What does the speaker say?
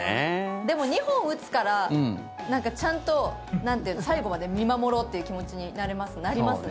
でも、２本打つからちゃんと最後まで見守ろうという気持ちになりますね。